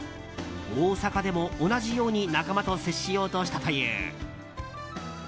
大阪でも同じように仲間と接しようとしたという。